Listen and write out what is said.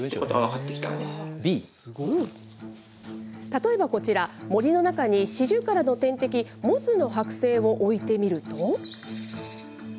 例えばこちら、森の中にシジュウカラの天敵、モズの剥製を置いてみると。